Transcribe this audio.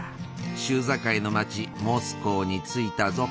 州境の町モスコーに着いたぞ。